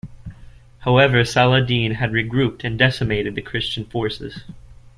However, Saladin had regrouped and decimated the Christian forces.